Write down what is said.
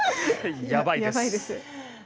やばいです。